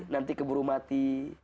nanti keburu mati